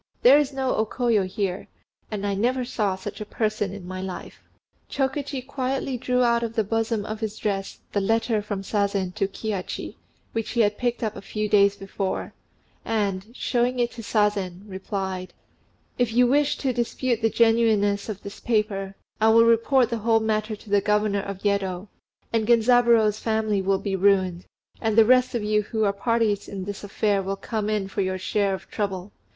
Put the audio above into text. There is no O Koyo here; and I never saw such a person in my life." Chokichi quietly drew out of the bosom of his dress the letter from Sazen to Kihachi, which he had picked up a few days before, and, showing it to Sazen, replied, "If you wish to dispute the genuineness of this paper, I will report the whole matter to the Governor of Yedo; and Genzaburô's family will be ruined, and the rest of you who are parties in this affair will come in for your share of trouble.